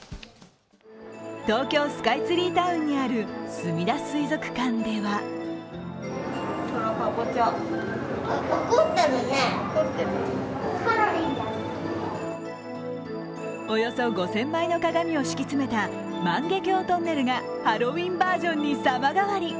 東京スカイツリータウンにあるすみだ水族館ではおよそ５０００枚の鏡を敷き詰めた万華鏡トンネルがハロウィーンバージョンに様変わり。